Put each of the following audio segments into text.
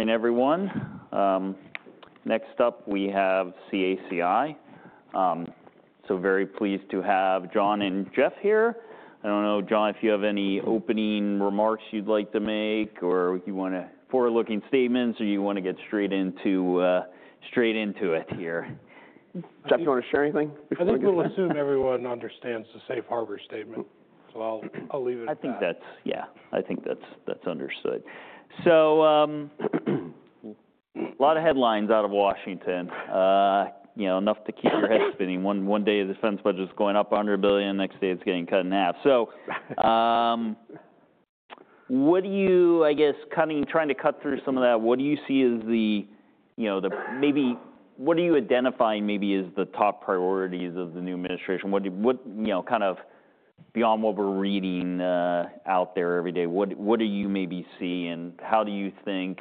Morning, everyone. Next up, we have CACI. So very pleased to have John and Jeff here. I don't know, John, if you have any opening remarks you'd like to make, or you want to forward-looking statements, or you want to get straight into it here. Jeff, do you want to share anything before we go? I think we'll assume everyone understands the Safe Harbor Statement, so I'll leave it at that. I think that's, yeah, I think that's understood. So a lot of headlines out of Washington, enough to keep your head spinning. One day, the defense budget's going up $100 billion; the next day, it's getting cut in half. So what do you, I guess, trying to cut through some of that, what do you see as the, maybe what are you identifying maybe as the top priorities of the new administration? Kind of beyond what we're reading out there every day, what do you maybe see, and how do you think,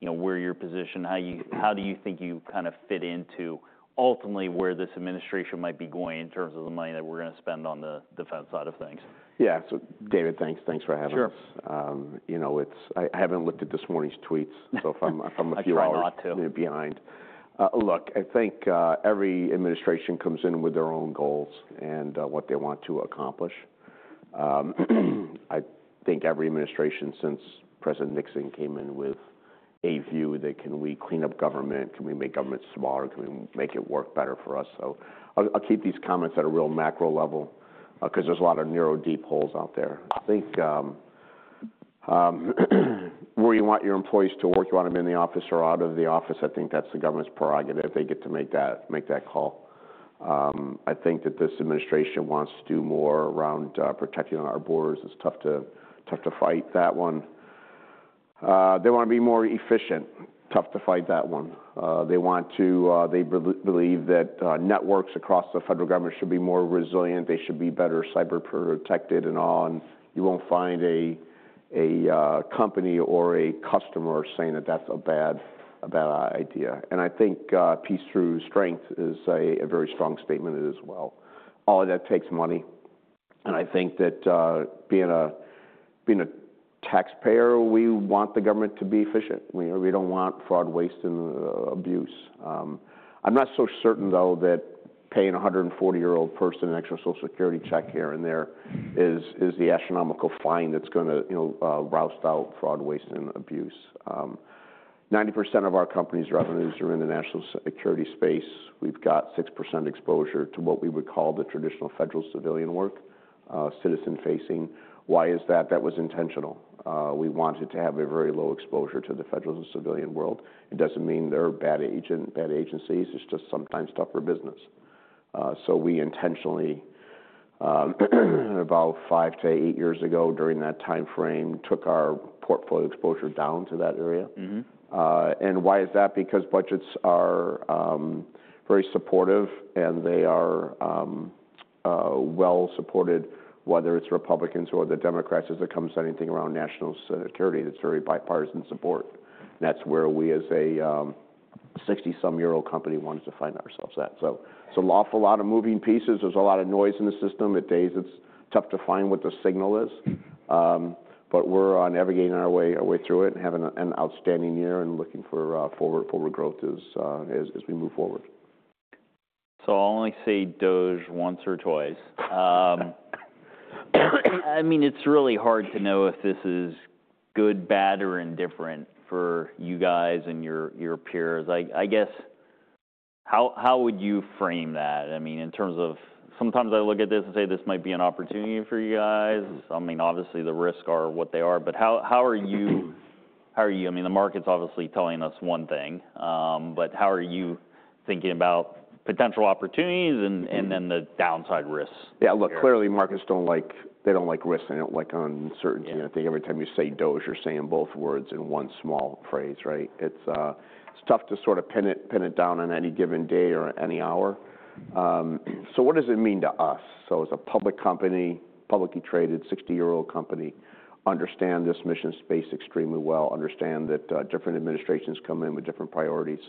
where your position? How do you think you kind of fit into, ultimately, where this administration might be going in terms of the money that we're going to spend on the defense side of things? Yeah. So, David, thanks for having us. I haven't looked at this morning's tweets, so if I'm a few hours behind. I'm sorry not to. Look, I think every administration comes in with their own goals and what they want to accomplish. I think every administration, since President Nixon came in, with a view that, "Can we clean up government? Can we make government smaller? Can we make it work better for us?" So I'll keep these comments at a real macro level because there's a lot of narrow, deep holes out there. I think where you want your employees to work, you want them in the office or out of the office. I think that's the government's prerogative. They get to make that call. I think that this administration wants to do more around protecting our borders. It's tough to fight that one. They want to be more efficient. Tough to fight that one. They believe that networks across the federal government should be more resilient. They should be better cyber-protected and all. You won't find a company or a customer saying that that's a bad idea. I think peace through strength is a very strong statement as well. All of that takes money. I think that, being a taxpayer, we want the government to be efficient. We don't want fraud, waste, and abuse. I'm not so certain, though, that paying a 140-year-old person an extra Social Security check here and there is the astronomical fine that's going to roust out fraud, waste, and abuse. 90% of our company's revenues are in the national security space. We've got 6% exposure to what we would call the traditional federal civilian work, citizen-facing. Why is that? That was intentional. We wanted to have a very low exposure to the federal and civilian world. It doesn't mean they're bad agencies. It's just sometimes tougher business. So we intentionally, about five to eight years ago during that time frame, took our portfolio exposure down to that area. And why is that? Because budgets are very supportive, and they are well-supported, whether it's Republicans or the Democrats, as it comes to anything around national security. It's very bipartisan support. And that's where we, as a 60-some-year-old company, wanted to find ourselves at. So an awful lot of moving pieces. There's a lot of noise in the system. At days, it's tough to find what the signal is. But we're navigating our way through it and having an outstanding year and looking forward growth as we move forward. I'll only say, "DOGE," once or twice. I mean, it's really hard to know if this is good, bad, or indifferent for you guys and your peers. I guess, how would you frame that? I mean, in terms of sometimes I look at this and say, "This might be an opportunity for you guys." I mean, obviously, the risks are what they are. But how are you, I mean, the market's obviously telling us one thing. But how are you thinking about potential opportunities and then the downside risks? Yeah. Look, clearly, markets don't like risks and don't like uncertainty. I think every time you say, "DOGE," you're saying both words in one small phrase, right? It's tough to sort of pin it down on any given day or any hour. So what does it mean to us? So as a public company, publicly traded, 60-year-old company, understand this mission space extremely well, understand that different administrations come in with different priorities.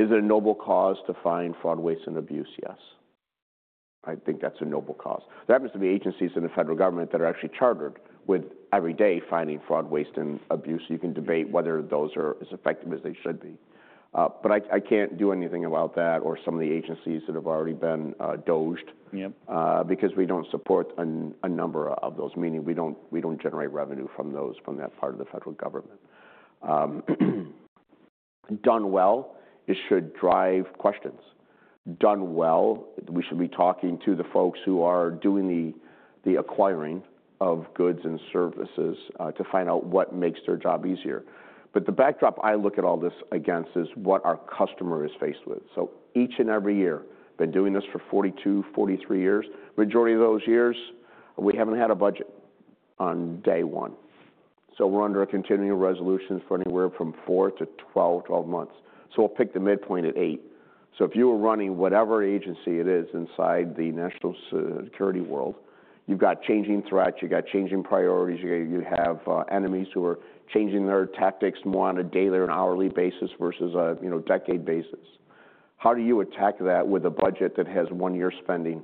Is it a noble cause to find fraud, waste, and abuse? Yes. I think that's a noble cause. There happens to be agencies in the federal government that are actually chartered with every day finding fraud, waste, and abuse. You can debate whether those are as effective as they should be. But I can't do anything about that or some of the agencies that have already been DOGE because we don't support a number of those, meaning we don't generate revenue from that part of the federal government. Done well, it should drive questions. Done well, we should be talking to the folks who are doing the acquiring of goods and services to find out what makes their job easier. But the backdrop I look at all this against is what our customer is faced with. So each and every year, been doing this for 42, 43 years, majority of those years, we haven't had a budget on day one. So we're under a continuing resolution for anywhere from four to 12 months. So we'll pick the midpoint at eight. So if you were running whatever agency it is inside the national security world, you've got changing threats. You've got changing priorities. You have enemies who are changing their tactics more on a daily or an hourly basis versus a decade basis. How do you attack that with a budget that has one-year spending?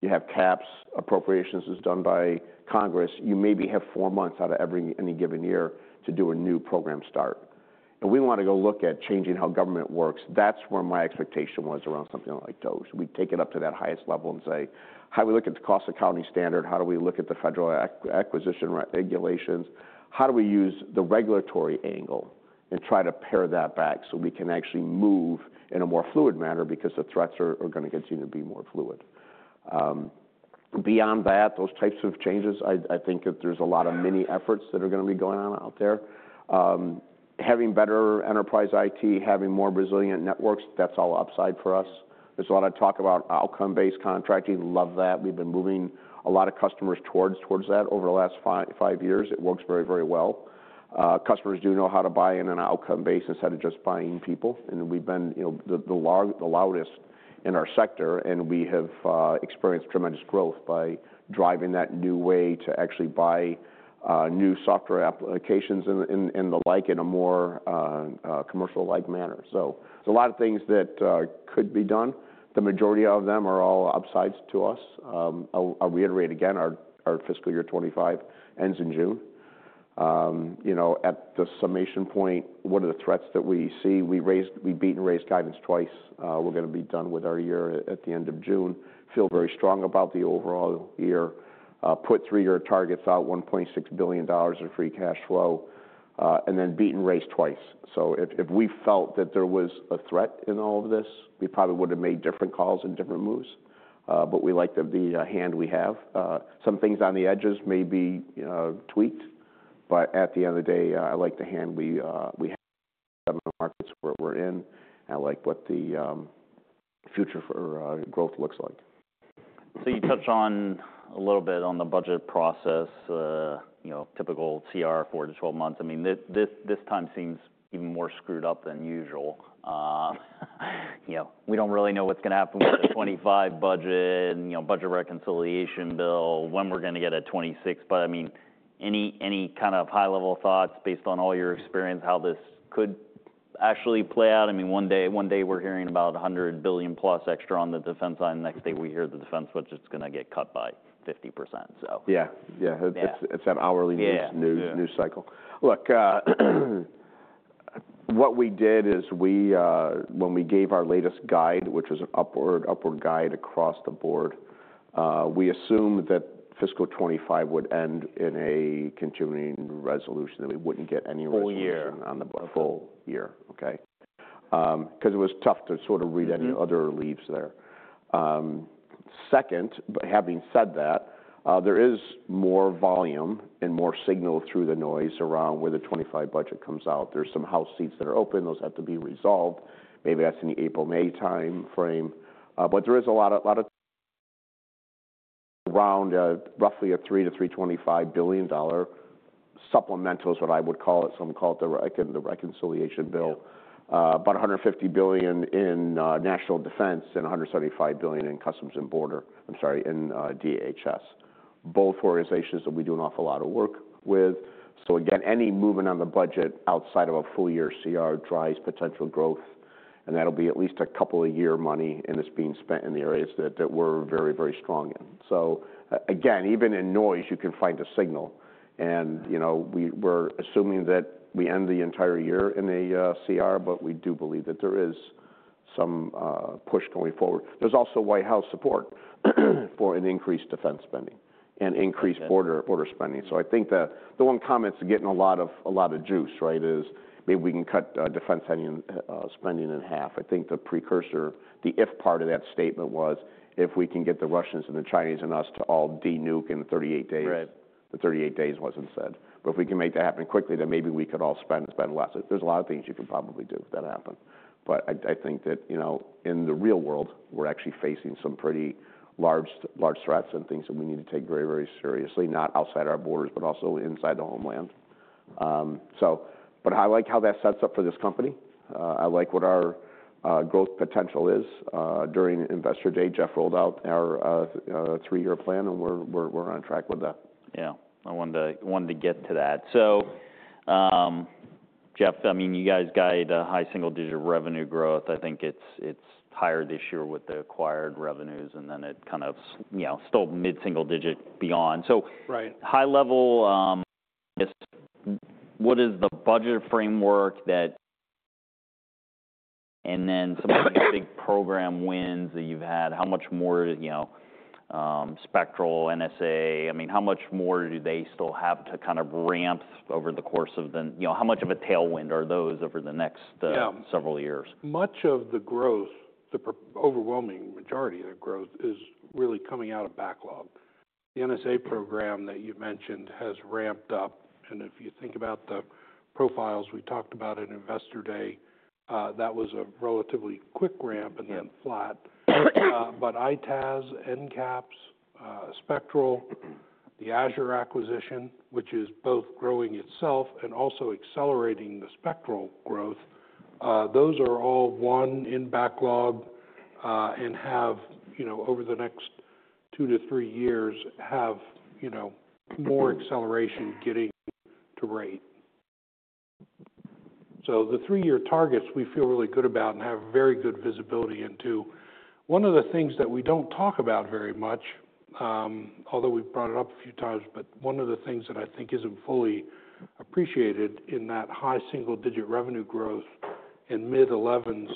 You have caps. Appropriations is done by Congress. You maybe have four months out of any given year to do a new program start. And we want to go look at changing how government works. That's where my expectation was around something like DOGE. We take it up to that highest level and say, "How do we look at the Cost Accounting Standards? How do we look at the Federal Acquisition Regulation? How do we use the regulatory angle and try to pare that back so we can actually move in a more fluid manner because the threats are going to continue to be more fluid? Beyond that, those types of changes, I think that there's a lot of many efforts that are going to be going on out there. Having better enterprise IT, having more resilient networks, that's all upside for us. There's a lot of talk about outcome-based contracting. Love that. We've been moving a lot of customers towards that over the last five years. It works very, very well. Customers do know how to buy in an outcome-based instead of just buying people. And we've been the loudest in our sector, and we have experienced tremendous growth by driving that new way to actually buy new software applications and the like in a more commercial-like manner. So there's a lot of things that could be done. The majority of them are all upsides to us. I'll reiterate again, our fiscal year 2025 ends in June. At the summation point, what are the threats that we see? We beat and raised guidance twice. We're going to be done with our year at the end of June. Feel very strong about the overall year. Put three-year targets out, $1.6 billion in free cash flow, and then beat and raised twice. So if we felt that there was a threat in all of this, we probably would have made different calls and different moves. But we like the hand we have. Some things on the edges may be tweaked. But at the end of the day, I like the hand we have in the markets where we're in. I like what the future for growth looks like. So you touched on a little bit on the budget process, typical CR four to 12 months. I mean, this time seems even more screwed up than usual. We don't really know what's going to happen with the 2025 budget, budget reconciliation bill, when we're going to get a 2026. But I mean, any kind of high-level thoughts based on all your experience, how this could actually play out? I mean, one day we're hearing about $100 billion-plus extra on the defense side. Next day, we hear the defense budget's going to get cut by 50%, so. Yeah. Yeah. It's that hourly news cycle. Look, what we did is when we gave our latest guide, which was an upward guide across the board, we assumed that fiscal 2025 would end in a continuing resolution, that we wouldn't get any resolution on the books. Full year. Full year, okay? Because it was tough to sort of read any other leaves there. Second, having said that, there is more volume and more signal through the noise around where the 2025 budget comes out. There's some House seats that are open. Those have to be resolved. Maybe that's in the April, May time frame. But there is a lot of around roughly a $300-$325 billion supplemental is what I would call it. Some call it the reconciliation bill. About $150 billion in national defense and $175 billion in Customs and Border, I'm sorry, in DHS. Both organizations that we do an awful lot of work with. So again, any movement on the budget outside of a full-year CR drives potential growth. And that'll be at least a couple-of-year money and it's being spent in the areas that we're very, very strong in. So again, even in noise, you can find a signal. And we're assuming that we end the entire year in a CR, but we do believe that there is some push going forward. There's also White House support for an increased defense spending and increased border spending. So I think the one comment's getting a lot of juice, right, is maybe we can cut defense spending in half. I think the precursor, the if part of that statement was, "If we can get the Russians and the Chinese and us to all denuke in 38 days." The 38 days wasn't said. But if we can make that happen quickly, then maybe we could all spend less. There's a lot of things you could probably do if that happened. But I think that in the real world, we're actually facing some pretty large threats and things that we need to take very, very seriously, not outside our borders, but also inside the homeland. But I like how that sets up for this company. I like what our growth potential is. During Investor Day, Jeff rolled out our three-year plan, and we're on track with that. Yeah. I wanted to get to that. So Jeff, I mean, you guys guide high single-digit revenue growth. I think it's higher this year with the acquired revenues, and then it kind of still mid-single-digit beyond. So high-level, what is the budget framework that, and then some of the big program wins that you've had, how much more Spectral NSA? I mean, how much more do they still have to kind of ramp over the course of the, how much of a tailwind are those over the next several years? Much of the growth, the overwhelming majority of the growth, is really coming out of backlog. The NSA program that you've mentioned has ramped up. And if you think about the profiles we talked about at investor day, that was a relatively quick ramp and then flat. But ITAS, NCAPS, Spectral, the Azure acquisition, which is both growing itself and also accelerating the Spectral growth, those are all in backlog and have over the next two to three years more acceleration getting to rate. So the three-year targets we feel really good about and have very good visibility into. One of the things that we don't talk about very much, although we've brought it up a few times, but one of the things that I think isn't fully appreciated in that high single-digit revenue growth and mid-11s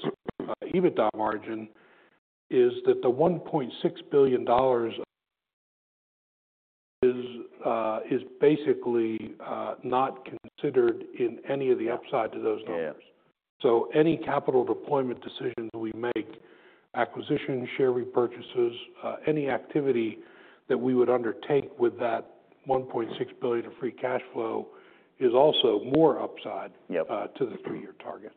EBITDA margin is that the $1.6 billion is basically not considered in any of the upside to those numbers. So any capital deployment decisions we make, acquisitions, share repurchases, any activity that we would undertake with that $1.6 billion of free cash flow is also more upside to the three-year targets.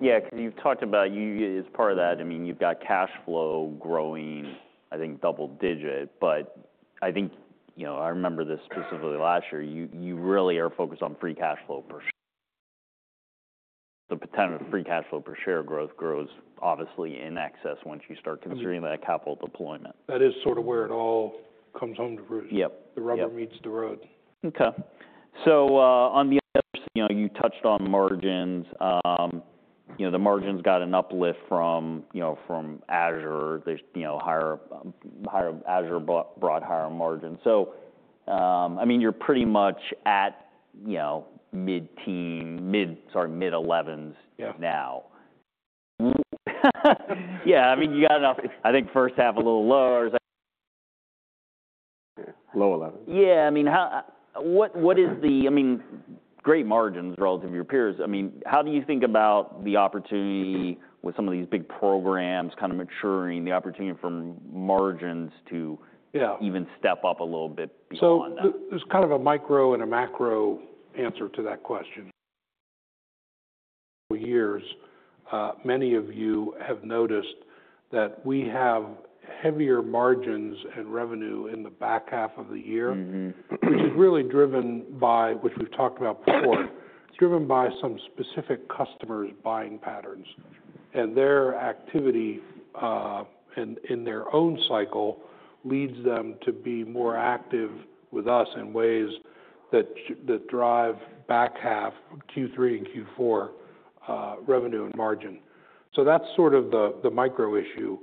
Yeah. Because you've talked about as part of that, I mean, you've got cash flow growing, I think, double-digit. But I think I remember this specifically last year. You really are focused on free cash flow per share. The potential free cash flow per share growth grows obviously in excess once you start considering that capital deployment. That is sort of where it all comes home to fruition. The rubber meets the road. Okay. So on the other side, you touched on margins. The margins got an uplift from Azure. Azure brought higher margins. So I mean, you're pretty much at mid-team, sorry, mid-11s now. Yeah. I mean, you got enough. I think first half a little lower. Low 11s. Yeah. I mean, great margins relative to your peers. I mean, how do you think about the opportunity with some of these big programs kind of maturing, the opportunity for margins to even step up a little bit beyond that? So there's kind of a micro and a macro answer to that question. Yes, many of you have noticed that we have heavier margins and revenue in the back half of the year, which is really driven by, which we've talked about before, driven by some specific customers' buying patterns. And their activity in their own cycle leads them to be more active with us in ways that drive back half Q3 and Q4 revenue and margin. So that's sort of the micro issue.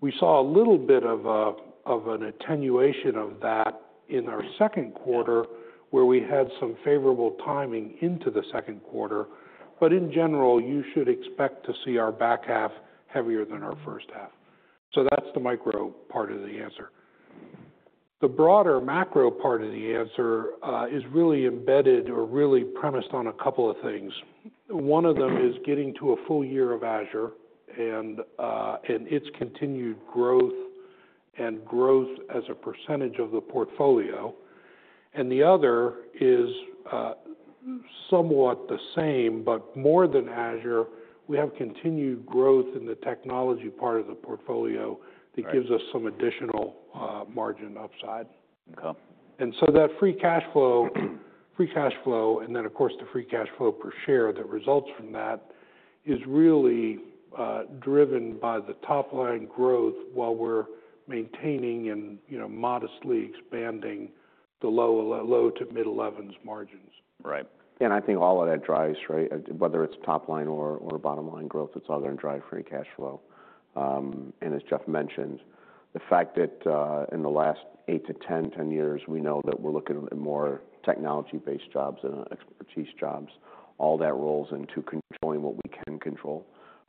We saw a little bit of an attenuation of that in our second quarter where we had some favorable timing into the second quarter. But in general, you should expect to see our back half heavier than our first half. So that's the micro part of the answer. The broader macro part of the answer is really embedded or really premised on a couple of things. One of them is getting to a full year of Azure and its continued growth and growth as a percentage of the portfolio, and the other is somewhat the same, but more than Azure, we have continued growth in the technology part of the portfolio that gives us some additional margin upside, and so that free cash flow, free cash flow, and then, of course, the free cash flow per share that results from that is really driven by the top-line growth while we're maintaining and modestly expanding the low to mid-11s margins. Right. And I think all of that drives, right, whether it's top-line or bottom-line growth, it's all going to drive free cash flow. And as Jeff mentioned, the fact that in the last eight to 10 years, we know that we're looking at more technology-based jobs and expertise jobs. All that rolls into controlling what we can control.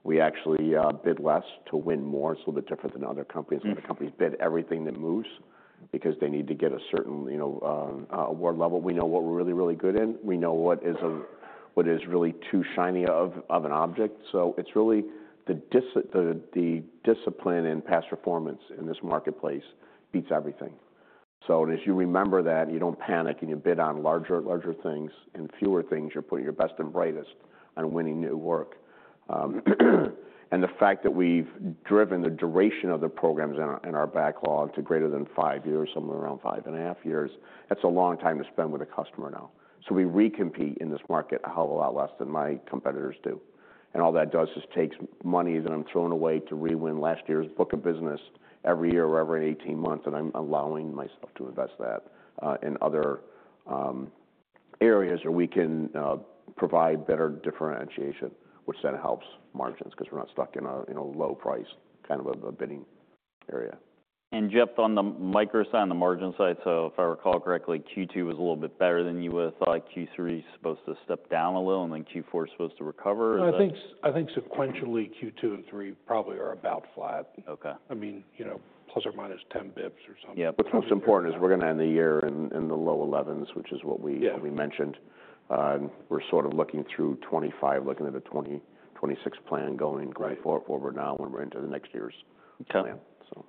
We actually bid less to win more. It's a little bit different than other companies. Other companies bid everything that moves because they need to get a certain award level. We know what we're really, really good in. We know what is really too shiny of an object. So it's really the discipline and past performance in this marketplace beats everything. So as you remember that, you don't panic and you bid on larger things. In fewer things, you're putting your best and brightest on winning new work. The fact that we've driven the duration of the programs in our backlog to greater than five years, somewhere around five and a half years, that's a long time to spend with a customer now. We recompete in this market a hell of a lot less than my competitors do. All that does is takes money that I'm throwing away to rewind last year's book of business every year or every 18 months, and I'm allowing myself to invest that in other areas where we can provide better differentiation, which then helps margins because we're not stuck in a low-price kind of a bidding area. And Jeff, on the micro side, on the margin side, so if I recall correctly, Q2 was a little bit better than you would have thought. Q3 is supposed to step down a little, and then Q4 is supposed to recover. I think sequentially Q2 and three probably are about flat. I mean, plus or minus 10 basis points or something. Yeah. What's most important is we're going to end the year in the low 11s, which is what we mentioned. We're sort of looking through 2025, looking at a 2026 plan going forward now when we're into the next year's plan. So,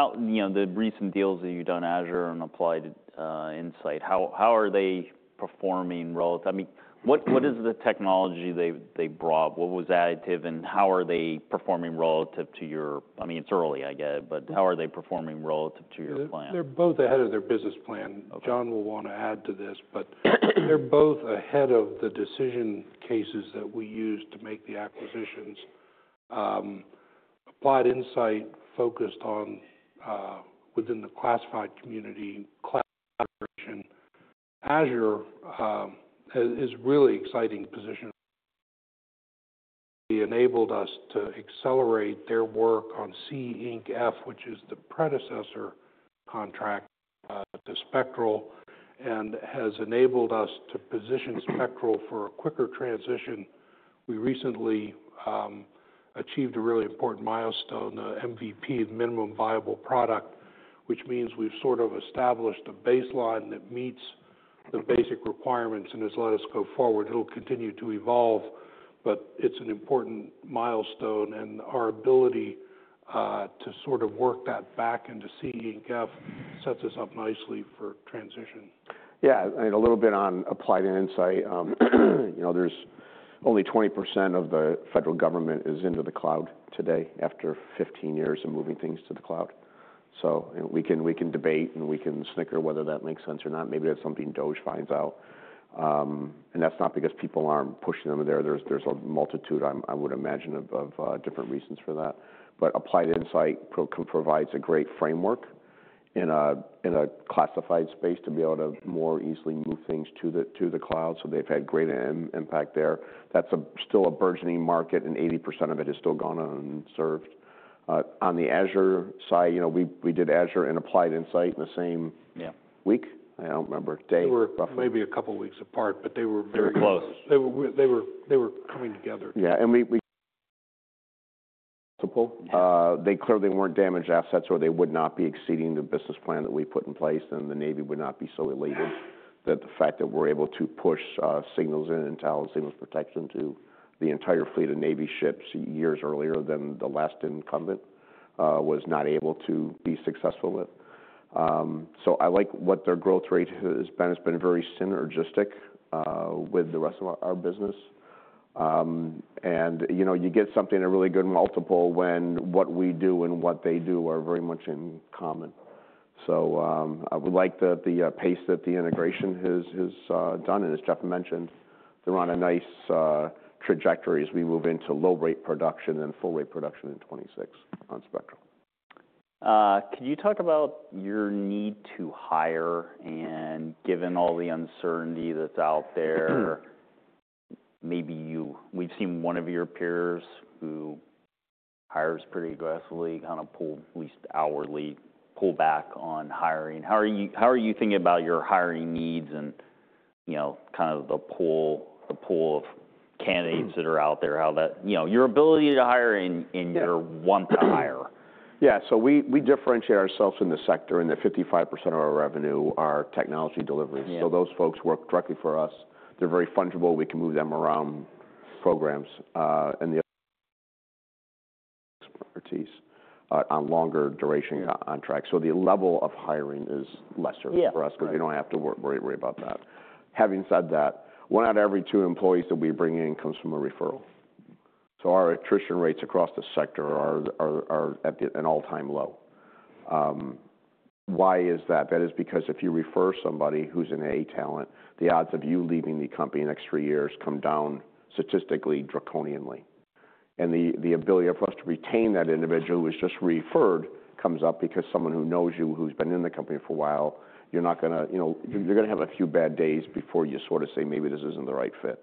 the recent deals that you've done, Azure and Applied Insight, how are they performing relative? I mean, what is the technology they brought? What was additive, and how are they performing relative to your I mean, it's early, I get it, but how are they performing relative to your plan? They're both ahead of their business plan. John will want to add to this, but they're both ahead of the decision cases that we use to make the acquisitions. Applied Insight focused on within the classified community collaboration. Azure is a really exciting position. It enabled us to accelerate their work on SSEE Inc F, which is the predecessor contract to Spectral, and has enabled us to position Spectral for a quicker transition. We recently achieved a really important milestone, the MVP, minimum viable product, which means we've sort of established a baseline that meets the basic requirements and has let us go forward. It'll continue to evolve, but it's an important milestone, and our ability to sort of work that back into SSEE Inc F sets us up nicely for transition. Yeah. I mean, a little bit on Applied Insight. There's only 20% of the federal government is into the cloud today after 15 years of moving things to the cloud. So we can debate and we can snicker whether that makes sense or not. Maybe that's something DOGE finds out, and that's not because people aren't pushing them there. There's a multitude, I would imagine, of different reasons for that. But Applied Insight provides a great framework in a classified space to be able to more easily move things to the cloud. So they've had great impact there. That's still a burgeoning market, and 80% of it is still gone unserved. On the Azure side, we did Azure and Applied Insight in the same week. I don't remember day roughly. They were maybe a couple of weeks apart, but they were very close. They were coming together. Yeah. And we clearly weren't damaged assets or they would not be exceeding the business plan that we put in place, and the Navy would not be so elated by the fact that we're able to push SIGINT and tactical signals protection to the entire fleet of Navy ships years earlier than the last incumbent was not able to be successful with. So I like what their growth rate has been. It's been very synergistic with the rest of our business. And you get a really good multiple when what we do and what they do are very much in common. So I would like the pace that the integration has done, and as Jeff mentioned, they're on a nice trajectory as we move into low-rate production and full-rate production in 2026 on Spectral. Can you talk about your need to hire? And given all the uncertainty that's out there, maybe we've seen one of your peers who hires pretty aggressively, kind of, at least hourly, pull back on hiring? How are you thinking about your hiring needs and kind of the pool of candidates that are out there? Your ability to hire and your want to hire? Yeah. So we differentiate ourselves in the sector, and 55% of our revenue are technology deliveries. So those folks work directly for us. They're very fungible. We can move them around programs and the expertise on longer duration contracts. So the level of hiring is lesser for us because we don't have to worry about that. Having said that, one out of every two employees that we bring in comes from a referral. So our attrition rates across the sector are at an all-time low. Why is that? That is because if you refer somebody who's an A talent, the odds of you leaving the company in the next three years come down statistically draconianly. The ability for us to retain that individual who was just referred comes up because someone who knows you, who's been in the company for a while, you're going to have a few bad days before you sort of say, "Maybe this isn't the right fit."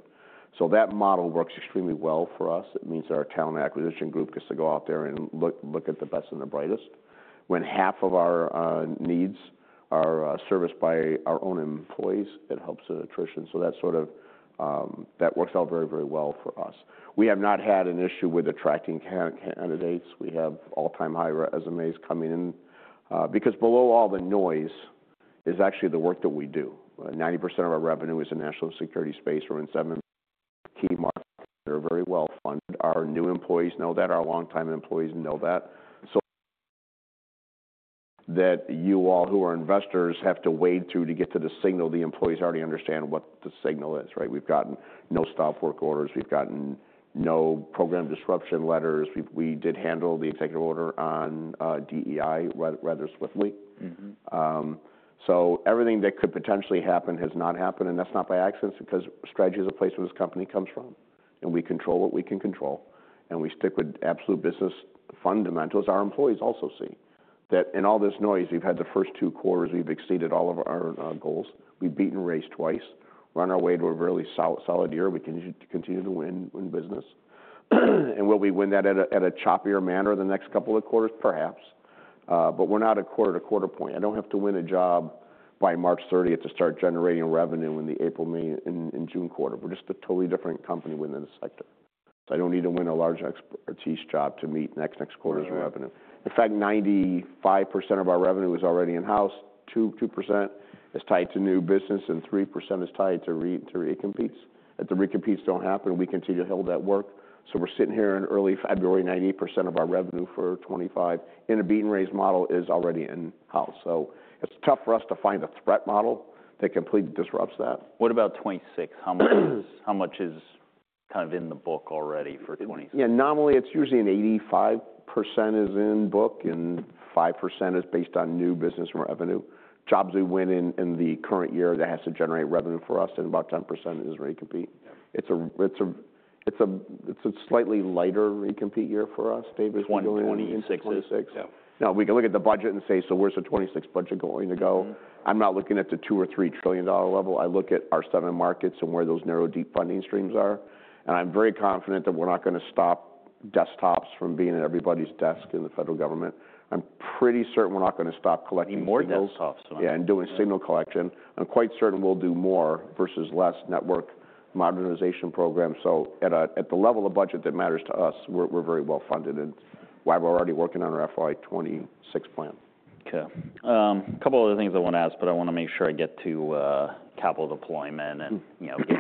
So that model works extremely well for us. It means that our talent acquisition group gets to go out there and look at the best and the brightest. When half of our needs are serviced by our own employees, it helps attrition. So that sort of works out very, very well for us. We have not had an issue with attracting candidates. We have all-time high resumes coming in because below all the noise is actually the work that we do. 90% of our revenue is in national security space. We're in seven key markets that are very well funded. Our new employees know that. Our long-time employees know that, so that you all who are investors have to wade through to get to the signal. The employees already understand what the signal is, right? We've gotten no stop work orders. We've gotten no program disruption letters. We did handle the executive order on DEI rather swiftly, so everything that could potentially happen has not happened, and that's not by accident because strategy is a place where this company comes from, and we control what we can control, and we stick with absolute business fundamentals. Our employees also see that in all this noise, we've had the first two quarters. We've exceeded all of our goals. We've beat and raised twice. We're on our way to a really solid year. We continue to win business, and will we win that at a choppier manner the next couple of quarters? Perhaps. But we're not a quarter-to-quarter company. I don't have to win a job by March 30th to start generating revenue in the April, May, and June quarter. We're just a totally different company within the sector. So I don't need to win a large existing job to meet next quarter's revenue. In fact, 95% of our revenue is already in-house. 2% is tied to new business, and 3% is tied to recompetes. If the recompetes don't happen, we continue to hold that work. So we're sitting here in early February, 98% of our revenue for 2025 in a beat and raise model is already in-house. So it's tough for us to find a threat model that completely disrupts that. What about 2026? How much is kind of in the book already for 2026? Yeah. Nominally, it's usually an 85% is in book and 5% is based on new business revenue. Jobs we win in the current year that has to generate revenue for us, and about 10% is recompete. It's a slightly lighter recompete year for us, David. 2026 is 2026. Yeah. Now, we can look at the budget and say, "So where's the 2026 budget going to go?" I'm not looking at the $2 trillion or $3 trillion level. I look at our seven markets and where those narrow deep funding streams are. And I'm very confident that we're not going to stop desktops from being at everybody's desk in the federal government. I'm pretty certain we're not going to stop collecting desks. You more desktops. Yeah. And doing signal collection. I'm quite certain we'll do more versus less network modernization programs. So at the level of budget that matters to us, we're very well funded. And we're already working on our FY 2026 plan. Okay. A couple of other things I want to ask, but I want to make sure I get to capital deployment and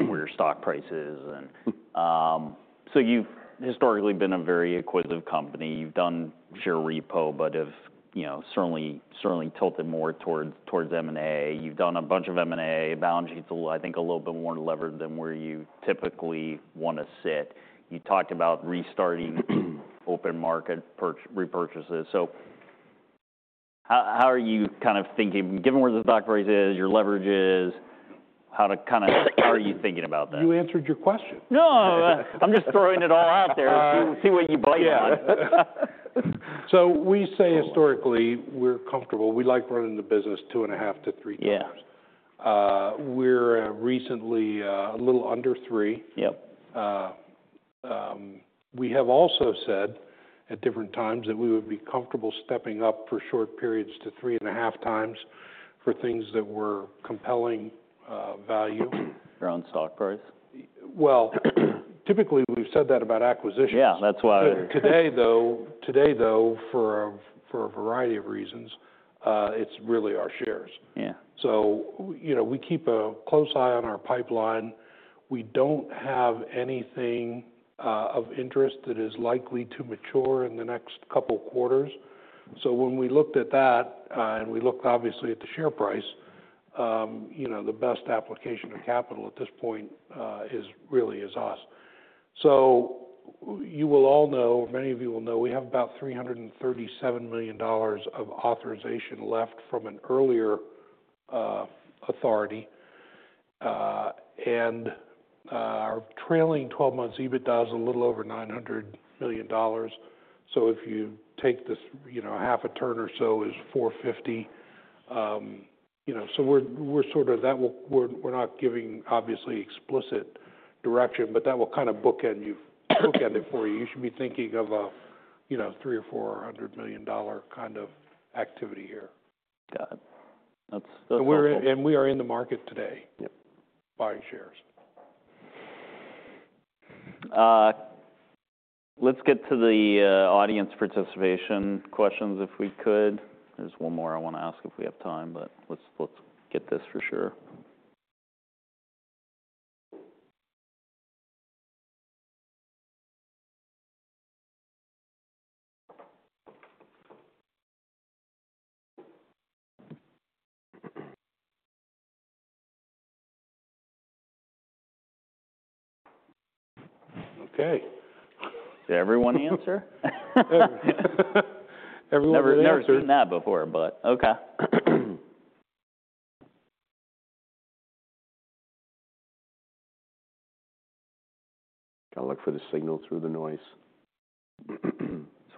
where your stock price is. And so you've historically been a very acquisitive company. You've done share repo, but have certainly tilted more towards M&A. You've done a bunch of M&A. Balance sheet's a little, I think, a little bit more levered than where you typically want to sit. You talked about restarting open market repurchases. So how are you kind of thinking, given where the stock price is, your leverage is, how to kind of, how are you thinking about that? You answered your question. No. I'm just throwing it all out there. See what you bite on. So we say historically we're comfortable. We like running the business 2.5 to three times. We're recently a little under three. We have also said at different times that we would be comfortable stepping up for short periods to 3.5 times for things that were compelling value. Your own stock price? Typically we've said that about acquisitions. Yeah. That's why. Today, though, for a variety of reasons, it's really our shares. So we keep a close eye on our pipeline. We don't have anything of interest that is likely to mature in the next couple of quarters. So when we looked at that and we looked obviously at the share price, the best application of capital at this point really is us. So you will all know, or many of you will know, we have about $337 million of authorization left from an earlier authority. And our trailing 12-month EBITDA is a little over $900 million. So if you take this half a turn or so, it's 450. So we're sort of not giving obviously explicit direction, but that will kind of bookend it for you. You should be thinking of a $300-$400 million kind of activity here. Got it. That's helpful. We are in the market today buying shares. Let's get to the audience participation questions if we could. There's one more I want to ask if we have time, but let's get this for sure. Okay. Did everyone answer? Everyone answered. Never seen that before, but okay. Got to look for the signal through the noise. That's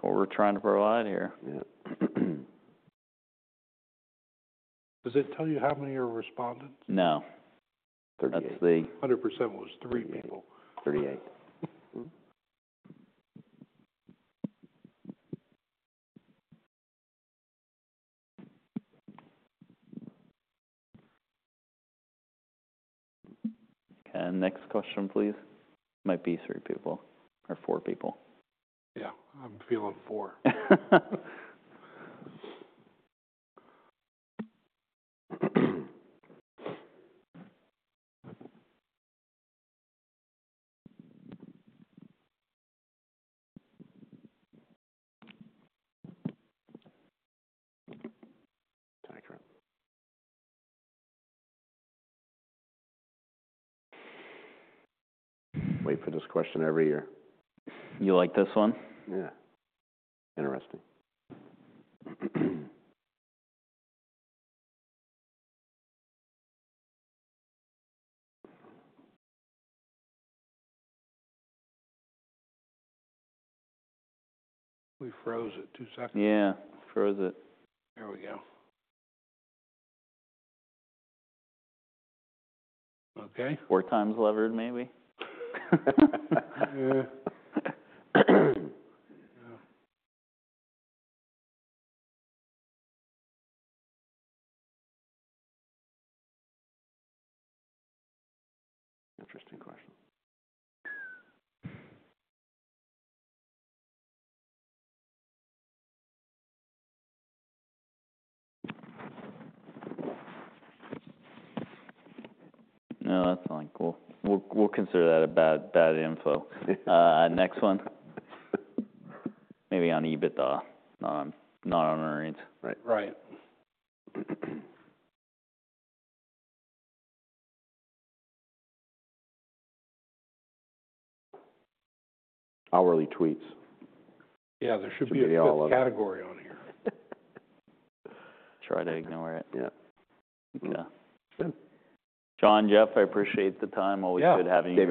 what we're trying to provide here. Yeah. Does it tell you how many are respondents? `No. Turn on this thing. 100% was three people. 38. Okay. Next question, please. Might be three people or four people. Yeah. I'm feeling four. Accurate. Wait for this question every year. You like this one? Yeah. Interesting. We froze it two seconds. Yeah. Froze it. Here we go. Okay. Four times levered, maybe. Interesting question. No, that's fine. Cool. We'll consider that bad info. Next one. Maybe on EBITDA, not on earnings. Right. Right. Hourly tweets. Yeah. There should be a category on here. Try to ignore it. Yeah. Okay. Good. John, Jeff, I appreciate the time. Always good having you.